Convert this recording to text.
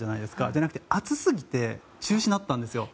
じゃなくて暑すぎて中止になったんですよ。